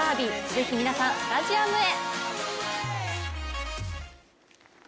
ぜひ皆さんスタジアムへ。